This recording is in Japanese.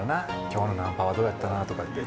「今日のナンパはどうやったな」とかって。